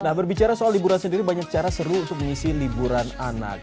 nah berbicara soal liburan sendiri banyak cara seru untuk mengisi liburan anak